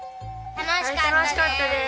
楽しかったです！